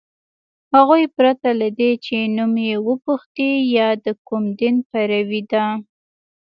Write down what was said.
هغوی پرته له دې چي نوم یې وپوښتي یا د کوم دین پیروۍ ده